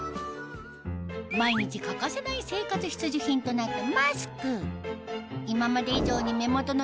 毎日欠かせない生活必需品となったマスク